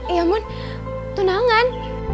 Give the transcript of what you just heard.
ya ampun tunangan